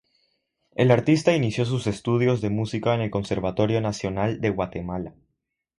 El artista inició sus estudios de música en el Conservatorio Nacional de Guatemala.